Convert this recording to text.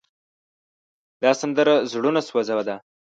دا سندره زړوسوزه ده.